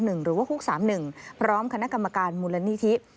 หรือว่าฮุก๓๑พร้อมคณะกรรมการมูลนิธิ